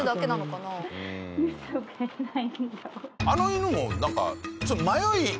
あの犬もなんかちょっと迷い。